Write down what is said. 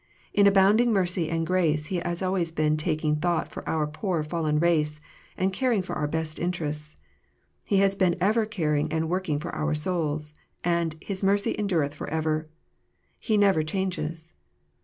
In abounding mercy and grace He has always been taking thought for our poor fallen race, and caring for our best interests. He has been ever caring and working for our souls. And " His mercy endure th for ever." He never changes.